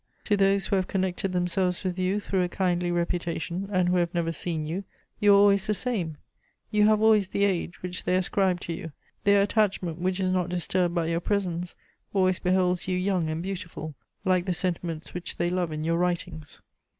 To those who have connected themselves with you through a kindly reputation, and who have never seen you, you are always the same; you have always the age which they ascribed to you; their attachment, which is not disturbed by your presence, always beholds you young and beautiful, like the sentiments which they love in your writings.